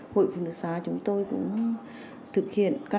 hội phòng đức xá chúng tôi cũng thực hiện